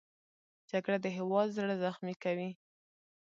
جګړه د هېواد زړه زخمي کوي